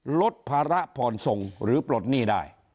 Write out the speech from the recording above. ลดภาระผ่อนส่งหรือปลดหนี้ได้